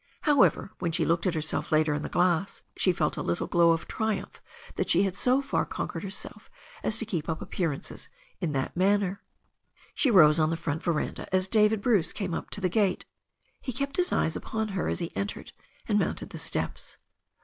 However, when she looked at herself later in the glass, she felt a little glow of triumph that she had so far conquered herself as to keep up appearances in that manner. She rose on the front veranda as David Bruce came up to the gate. He kept his eyes upon her as he entered and mounted the steps.